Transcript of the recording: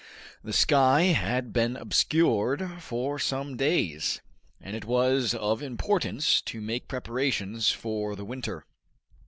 The sky had been obscured for some days, and it was of importance to make preparations for the winter.